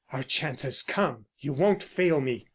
"Our chance has come. You won't fail me!"